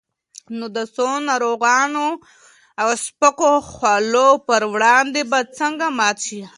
نو د څو ناروغو او سپکو خولو پر وړاندې به څنګه ماته شي؟